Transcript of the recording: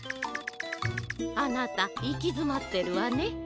あなたいきづまってるわね。